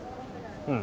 うん。